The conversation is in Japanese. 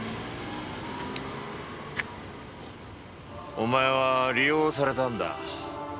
お前は利用されたんだ。